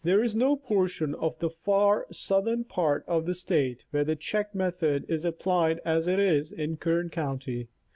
There is no portion of the far southern part of the State where the check method is applied as it is in Kern county.